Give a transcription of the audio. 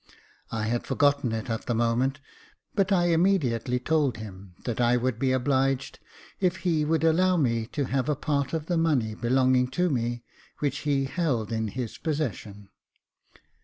I had forgotten it at the moment, but I immediately told him that I would be obliged if he would allow me to have a part of the money belonging to me which he held in his possession.